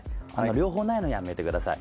両方ないのやめてください。